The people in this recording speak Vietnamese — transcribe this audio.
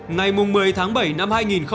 ngày một mươi tháng bảy năm hai nghìn hai